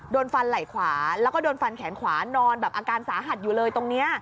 โดนฟันไหล่ขวาแล้วก็โดนฟันแขนขวานอนแบบอาการสาหัสอยู่เลยตรงนี้